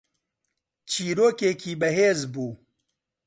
چیرۆکێکی بەهێز بوو